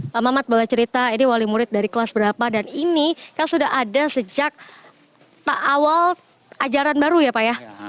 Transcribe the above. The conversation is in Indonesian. pak mamat boleh cerita ini wali murid dari kelas berapa dan ini kan sudah ada sejak awal ajaran baru ya pak ya